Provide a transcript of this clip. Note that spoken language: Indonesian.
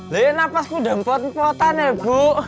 lihat nafasmu udah empot empotan ya bu